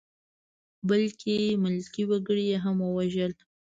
بلکې ملکي وګړي یې هم ووژل.